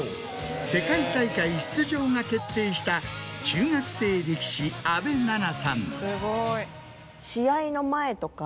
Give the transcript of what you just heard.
世界大会出場が決定した中学生力士阿部ななさん。